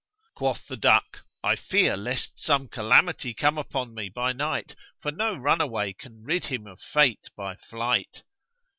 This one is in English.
Quoth the duck, "I fear lest some calamity come upon me by night, for no runaway can rid him of fate by flight."